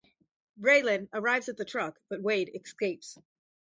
Raylan arrives at the truck but Wade escapes.